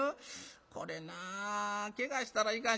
これなけがしたらいかん。